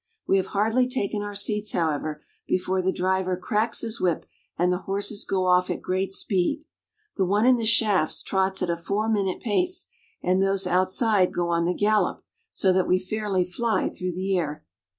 We have hardly taken our seats, however, before the driver cracks his whip, and the horses go off at great speed. The one in the shafts trots at a four minute pace, and those outside go on the gallop, so that we fairly fly through the air.